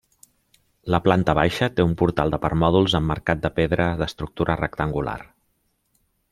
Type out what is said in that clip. La planta baixa té un portal de permòdols emmarcat de pedra d'estructura rectangular.